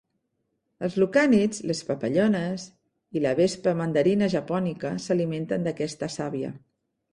Els lucànids, les papallones i la "Vespa mandarinia japònica" s'alimenten d'aquesta sàvia.